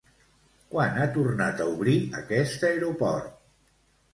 Quan ha tornat a obrir aquest aeroport?